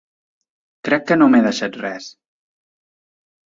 Crec que no m'he deixat res.